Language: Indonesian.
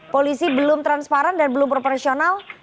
polisi belum transparan dan belum proporsional